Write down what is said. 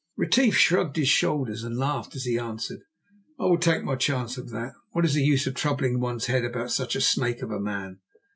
Retief shrugged his shoulders and laughed as he answered: "I will take my chance of that. What is the use of troubling one's head about such a snake of a man?